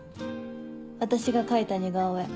私が描いた似顔絵